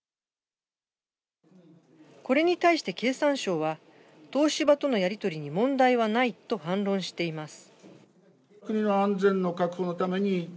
これに対して経産省は、東芝とのやりとりに問題はないと反論しています。